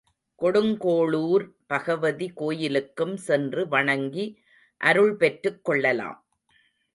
கொடுங்கோளூர் பகவதி கோயிலுக்கும் சென்று வணங்கி, அருள் பெற்றுக் கொள்ளலாம்.